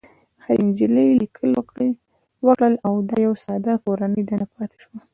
هرې نجلۍ ليکل وکړل او دا يوه ساده کورنۍ دنده پاتې شوه.